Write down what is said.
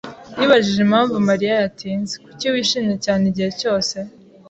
yibajije impamvu Mariya yatinze. Kuki wishimye cyane igihe cyose?